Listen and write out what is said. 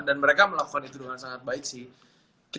dan mereka melakukan itu dengan sangat baik sih